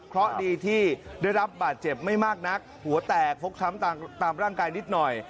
เพราะดีที่ได้รับบาดเจ็บไม่มากนักหัวแตกฟกช้ำตามร่างกายนิดหน่อย